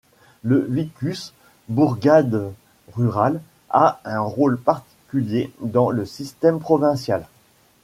Le vicus, bourgade rurale, a un rôle particulier dans le système provincial.